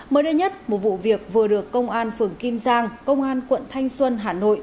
mới đây nhất một vụ việc vừa được công an phường kim giang công an quận thanh xuân hà nội